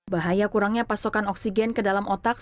bahaya kurangnya pasokan oksigen ke dalam otak